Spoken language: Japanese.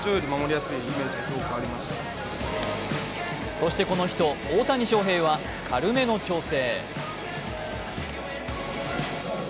そして、この人大谷翔平は軽めの調整。